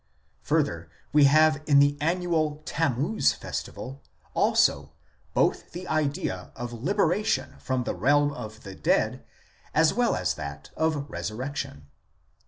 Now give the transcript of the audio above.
Further, we have in the annual Tammuz Festival also both the idea of liberation from the realm of the dead as well as that of resurrection.